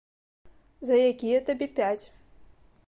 За якія табе пяць.